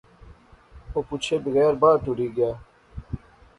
او پچھے بغیر بار ٹُری غیا